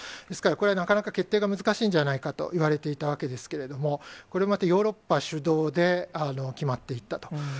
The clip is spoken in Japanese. ですから、これはなかなか決定が難しいんじゃないかといわれていたわけですけれども、これまたヨーロッパ主導で決まっていったと。